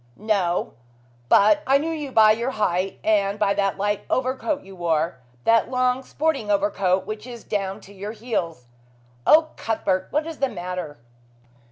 "No! But I knew you by your height and by the light overcoat you wore. That long, sporting overcoat which is down to your heels. Oh, Cuthbert, what is the matter?"